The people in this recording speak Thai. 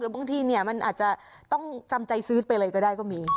หรือบางทีมันอาจจะต้องจำใจซื้อไปอะไรก็ได้ก็มี